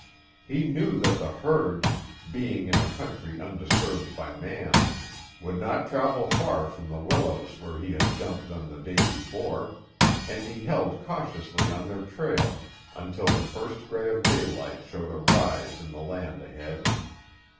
He knew that the herd, being in a country undisturbed by man, would not travel far from the willows where he had jumped them the day before, and he held cautiously on their trail until the first grey of daylight showed a rise in the land ahead.